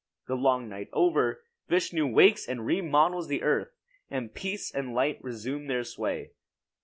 The long night over, Vishnu wakes and remodels the earth, and peace and light resume their sway.